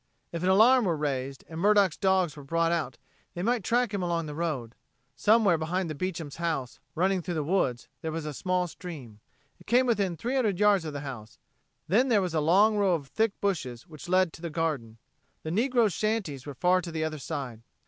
If an alarm were raised, and Murdock's dogs were brought out, they might track him along the road. Somewhere behind the Beecham's house, running through the woods, there was a small stream. It came within three hundred yards of the house; then there was a long row of thick bushes which led up to the garden. The negroes' shanties were far to the other side.